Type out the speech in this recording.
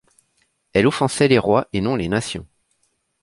Elle offensait les rois et non les nations.